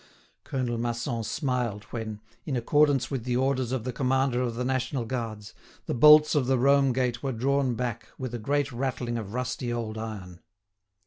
Colonel Masson smiled when, in accordance with the orders of the commander of the national guards, the bolts of the Rome Gate were drawn back with a great rattling of rusty old iron.